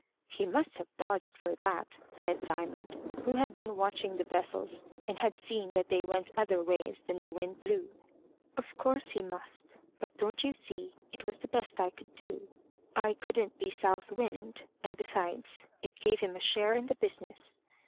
"He must have dodged for that," said Diamond, who had been watching the vessels, and had seen that they went other ways than the wind blew. "Of course he must. But don't you see, it was the best I could do? I couldn't be South Wind. And besides it gave him a share in the business.